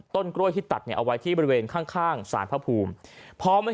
ต้นกล้วยที่ตัดเนี่ยเอาไว้ที่บริเวณข้างข้างสารพระภูมิพอมัน